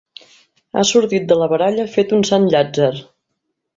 Ha sortit de la baralla fet un sant llàtzer.